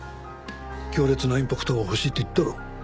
強烈なインパクトが欲しいって言ったろ。